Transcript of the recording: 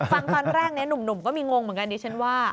ฟังตอนแรกนี้หนุ่มก็มีงงเหมือนกันดิฉันว่า